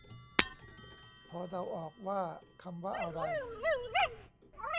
พอเดาออกว่าคำว่าอะไร